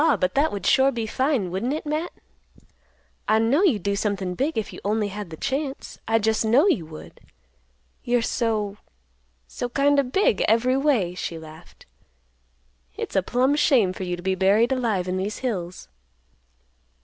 but that would sure be fine, wouldn't it, Matt? I'd know you'd do somethin' big if you only had the chance. I just know you would. You're so—so kind o' big every way," she laughed. "It's a plumb shame for you to be buried alive in these hills."